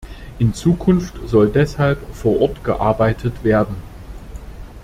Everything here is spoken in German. In Zukunft soll deshalb vor Ort gearbeitet werden.